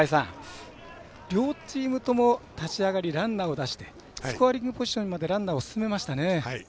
両チームとも立ち上がりランナーを出してスコアリングポジションまでランナーを進めましたね。